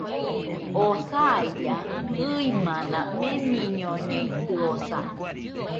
Oo saia, ɨimana meniñoñeitɨosa